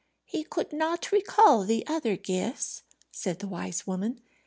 "He could not recall the other gifts," said the wise woman.